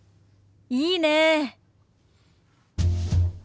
いいねえ。